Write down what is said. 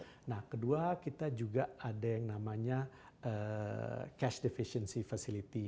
ya betul nah kedua kita juga ada yang namanya cash deficiency facility